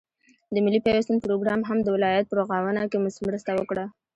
د ملي پيوستون پروگرام هم د ولايت په رغاونه كې مرسته وكړه،